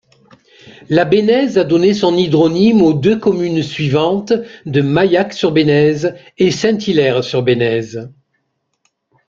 La Benaize a donné son hydronyme aux deux communes suivantes de Mailhac-sur-Benaize et Saint-Hilaire-sur-Benaize.